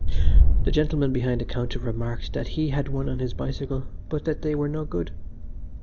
The gentleman behind the counter remarked, that he had one on his bicycle, but that they were no good.